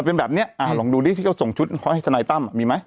มันเป็นแบบเนี้ยอ่าลองดูดิที่เขาส่งชุดเพราะให้ทนายตั้มมีไหม